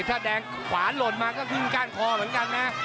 ถ้าแดงขวาหล่นมาก็ขึ้นก้านคอเหมือนกันนะ